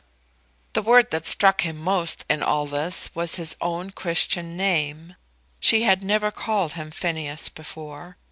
The word that struck him most in all this was his own Christian name. She had never called him Phineas before.